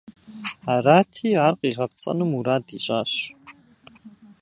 Арати ар къигъэпцӀэну мурад ищӀащ.